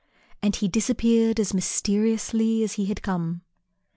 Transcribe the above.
And he disappeared as mysteriously as he had come.